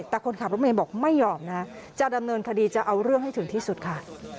แต่คนขับรถเมย์บอกไม่ยอมนะจะดำเนินคดีจะเอาเรื่องให้ถึงที่สุดค่ะ